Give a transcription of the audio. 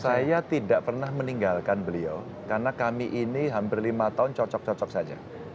saya tidak pernah meninggalkan beliau karena kami ini hampir lima tahun cocok cocok saja